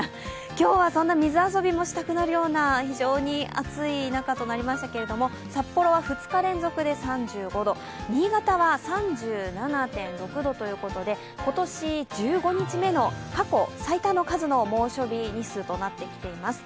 今日はそんな水遊びもしたくなるような、非常に暑い中となりましたが、札幌は２日連続で３５度、新潟は３７．６度ということで、今年１５日目の過去最多の数の猛暑日日数となってきています。